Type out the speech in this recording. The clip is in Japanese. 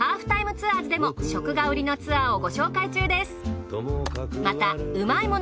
ツアーズでも食が売りのツアーをご紹介中です。